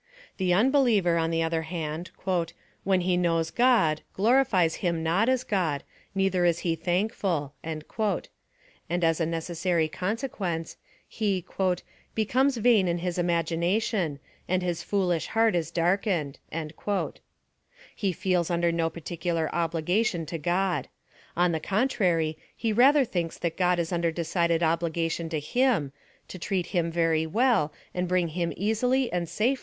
The unbeliever, on the other hand, when he knows Gody glorifies him 7iot as God, neither is he thankful; and as a necessary consequence, he becomes vain in hU imagination, and his foolish heart is darkened. He feels under no particular obligation to God ; on the contrary, he rather thinks that God is under decided obligation to him, to treat him very well, and bring him easily and safe.